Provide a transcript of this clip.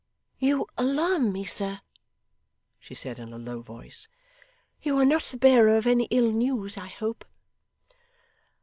'You alarm me, sir,' she said in a low voice. 'You are not the bearer of any ill news, I hope?